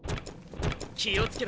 気をつけろ。